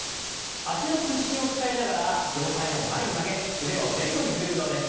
脚の屈伸を使いながら上体を前に曲げ腕を前後に振る運動です。